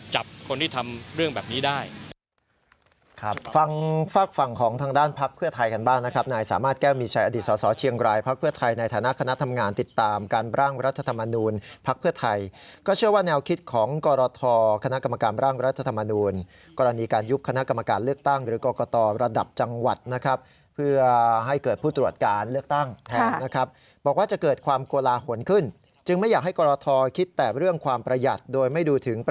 จับคนที่ทำเรื่องแบบนี้ได้